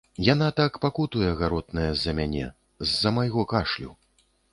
Яна так пакутуе, гаротная, з-за мяне, з-за майго кашлю.